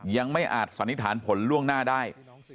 ยังไม่อาจสันนิษฐานผลล่วงหน้าได้